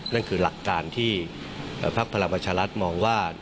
นั่นคือหลักการที่พักพลังประชารัฐมองว่า